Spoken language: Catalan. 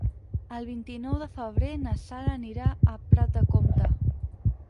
El vint-i-nou de febrer na Sara anirà a Prat de Comte.